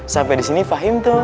sampai di sini fahim tuh